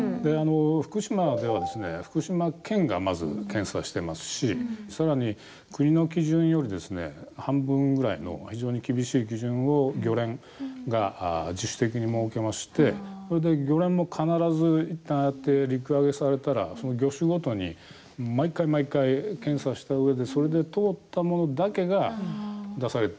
福島では福島県が、まず検査してますしさらに国の基準より半分ぐらいの非常に厳しい基準を漁連が自主的に設けましてそれで漁連も必ず、いったんああやって陸揚げされたらその魚種ごとに毎回毎回、検査したうえでそれで通ったものだけが出されてるんですよね。